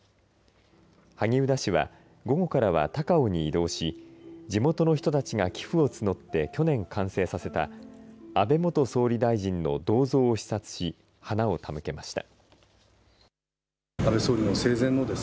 萩生田氏は午後からは高雄に移動し地元の人たちが寄付を募って去年完成させた安倍元総理大臣の銅像を視察し花を手向けました。